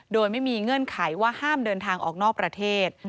โดยไม่มีเงื่อนไขว่าห้ามเดินทางออกนอกประเทศ